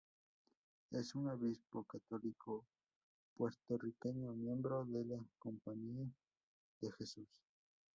Es un Obispo Católico puertorriqueño, miembro de la Compañía de Jesús.